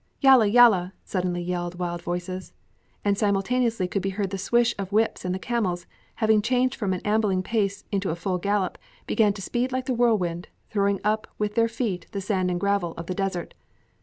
"Yalla! Yalla!" suddenly yelled wild voices. And simultaneously could be heard the swish of whips and the camels, having changed from an ambling pace into a full gallop, began to speed like the whirlwind, throwing up with their feet the sand and gravel of the desert.